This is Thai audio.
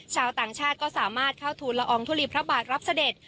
ชาวต่างชาติก็สามารถเข้าทูลละอองทุลีพระบาทรับเสด็จ